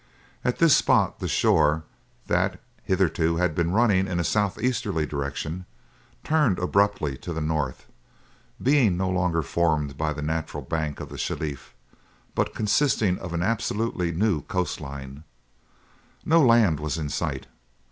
At this spot the shore, that hitherto had been running in a southeasterly direction, turned abruptly to the north, being no longer formed by the natural bank of the Shelif, but consisting of an absolutely new coast line. No land was in sight.